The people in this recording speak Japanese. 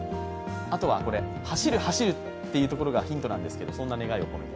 あとはこれ走る走るというところがヒントなんですけれども、そんな願いを込めて。